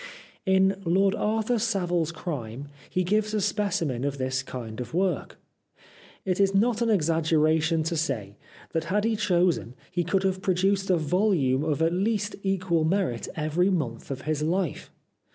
In " Lord Arthur Savile's Crime," he gives a specimen of this kind of work. It is not an exaggeration to say that had he chosen he could have produced a volume of, at least, equal merit every month of his life.